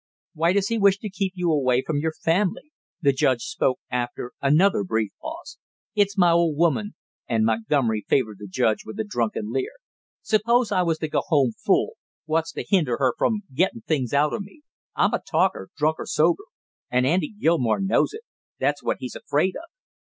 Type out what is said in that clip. "Why does he wish to keep you away from your family?" the judge spoke after another brief pause. "It's my old woman," and Montgomery favored the judge with a drunken leer. "Suppose I was to go home full, what's to hinder her from gettin' things out of me? I'm a talker, drunk or sober, and Andy Gilmore knows it that's what he's afraid of!"